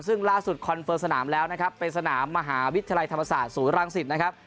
ซึ่งล่าสุดคอนเฟิร์มสนามแล้วนะครับเป็นสนามมหาวิทยาลัยธรรมศาสตร์ศูนย์รังสิตนะครับ